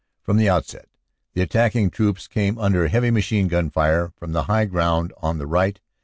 From the outset the attacking troops came under heavy machine gun fire, from the high ground on the right.